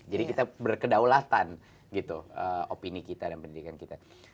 jadi kita berkedaulatan gitu opini kita dan pendidikan kita